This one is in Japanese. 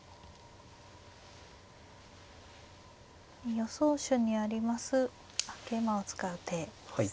予想手にありますあっ桂馬を使う手ですね。